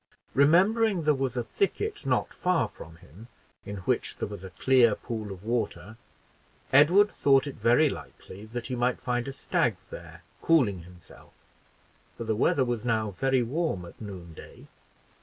Remembering there was a thicket not far from him in which there was a clear pool of water, Edward thought it very likely that he might find a stag there cooling himself, for the weather was now very warm at noonday.